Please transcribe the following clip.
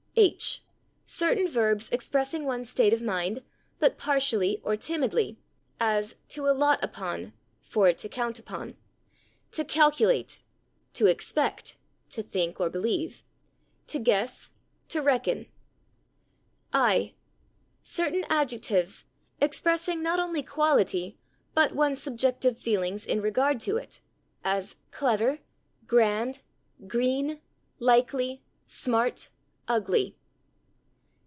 h. "Certain verbs expressing one's state of mind, but partially or timidly," as /to allot upon/ (for /to count upon/), /to calculate/, /to expect/ (/to think/ or /believe/), /to guess/, /to reckon/. i. "Certain adjectives, expressing not only quality, but one's subjective feelings in regard to it," as /clever/, /grand/, /green/, /likely/, /smart/, /ugly